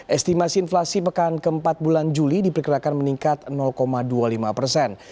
estimasi inflasi pekan keempat bulan juli diperkirakan meningkat dua puluh lima persen